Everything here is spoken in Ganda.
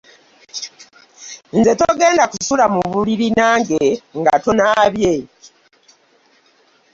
Nze togenda kusula mu buliri nange nga tonaabye.